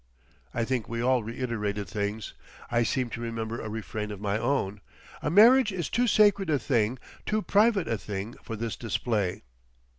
I think we all reiterated things. I seem to remember a refrain of my own: "A marriage is too sacred a thing, too private a thing, for this display.